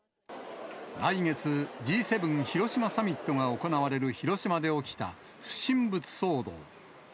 来月、Ｇ７広島サミットが行われる広島で起きた不審物騒動。